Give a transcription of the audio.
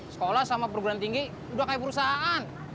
sekolah sama perguruan tinggi udah kayak perusahaan